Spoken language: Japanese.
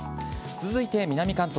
続いて南関東。